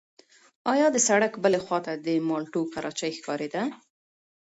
ایا د سړک بلې خوا ته د مالټو کراچۍ ښکارېده؟